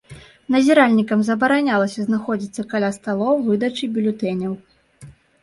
Назіральнікам забаранялася знаходзіцца каля сталоў выдачы бюлетэняў.